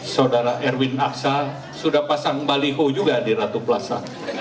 saudara erwin aksa sudah pasang baliho juga di ratu plaza